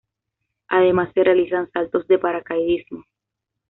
Además se realizan saltos de paracaidismo.